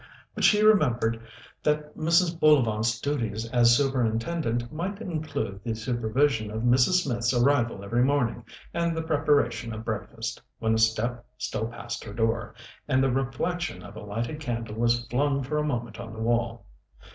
But she remembered that Mrs. Bullivant's duties as Superintendent might include the supervision of Mrs. Smith's arrival every morning and the preparation of breakfast, when a step stole past her door, and the reflection of a lighted candle was flung for a moment on the wall.